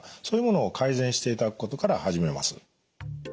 そういうものを改善していただくことから始めます。